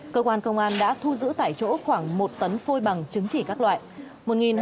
cơ quan công an đã thu giữ tại chỗ khoảng một tấn phôi bằng chứng chỉ các loại